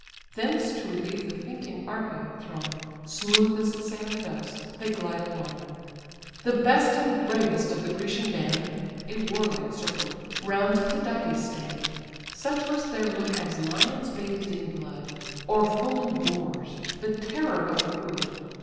Thence to relieve the fainting Argive throng, Smooth as the sailing doves they glide along. The best and bravest of the Grecian band (A warlike circle) round Tydides stand. Such was their look as lions bathed in blood, Or foaming boars, the terror of the wood.